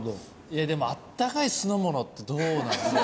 いやでもあったかい酢の物ってどうなんですか？